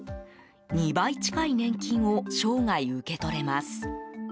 ２倍近い年金を生涯、受け取れます。